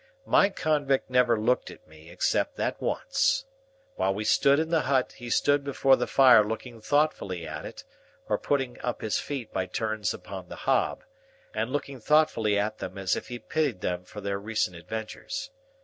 My convict never looked at me, except that once. While we stood in the hut, he stood before the fire looking thoughtfully at it, or putting up his feet by turns upon the hob, and looking thoughtfully at them as if he pitied them for their recent adventures.